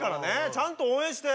ちゃんと応援して。